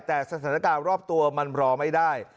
แต่สถานการณ์รอบตัวมันรอไม่ได้